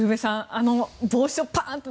あの、帽子をパーンと。